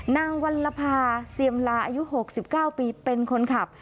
วัลภาเซียมลาอายุ๖๙ปีเป็นคนขับ